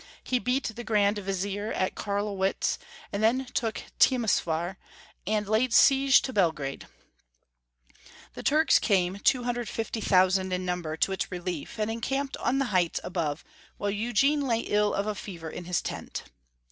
He beat the Grand Vizier at Carlowitz, and then took Temeswar, and laid siege to Belgrade. The Turks came, 250,000 in* num ber, to its relief, and encamped on the heights above, while Eugene lay ill of a fever in his tent.